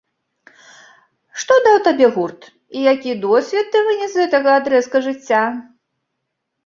Што даў табе гурт, і які досвед ты вынес з гэтага адрэзка жыцця?